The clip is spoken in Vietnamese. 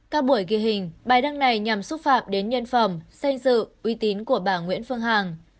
các buổi ghi hình bài đăng này nhằm xúc phạm đến nhân phẩm danh dự uy tín của bà nguyễn phương hằng